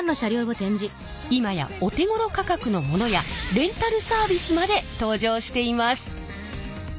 今やお手ごろ価格のものやレンタルサービスまで登場しています。